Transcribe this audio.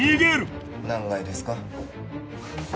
何階ですか？